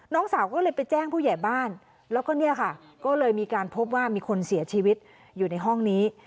น้องสาวก็เลยไปแจ้งผู้ใหญ่บ้านแล้วก็เนี่ยค่ะก็เลยมีการพบว่ามีคนเสียชีวิตอยู่ในห้องนี้